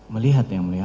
melihat ya mulia